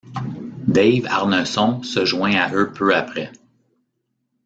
Dave Arneson se joint à eux peu après.